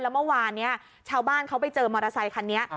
และเมื่อวานชาวบ้านไปเจอมอเตอร์ไซคันนี้